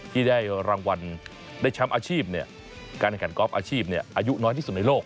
ที่ได้รางวัลได้แชมป์อาชีพการแข่งกอล์ฟอาชีพอายุน้อยที่สุดในโลก